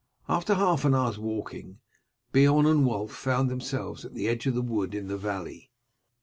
After half an hour's walking Beorn and Wulf found themselves at the edge of the wood in the valley.